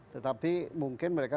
tetapi mungkin mereka